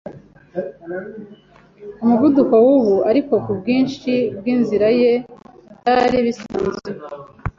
umuvuduko wubu, ariko kubwinshi bwinzira ye, byari bisanzwe